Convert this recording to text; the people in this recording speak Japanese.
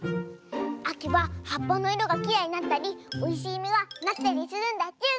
あきははっぱのいろがきれいになったりおいしいみがなったりするんだチュン！